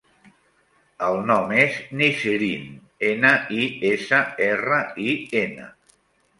El nom és Nisrin: ena, i, essa, erra, i, ena.